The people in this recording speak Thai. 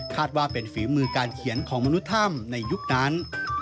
ว่าเป็นฝีมือการเขียนของมนุษย์ถ้ำในยุคนั้น